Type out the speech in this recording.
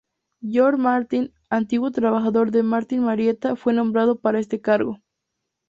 George Martin, antiguo trabajador de Martin Marietta, fue nombrado para este cargo.